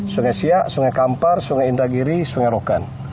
sungai siak sungai kampar sungai indragiri sungai rokan